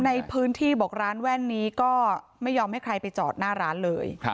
ในพื้นที่บอกร้านแว่นนี้ก็ไม่ยอมให้ใครไปจอดหน้าร้านเลย